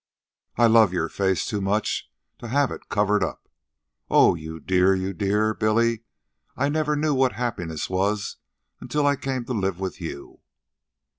I love your face too much to have it covered up. Oh, you dear! you dear! Billy, I never knew what happiness was until I came to live with you."